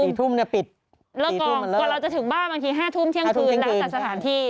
คุมแล้วว่าพี่